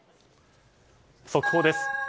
速報です。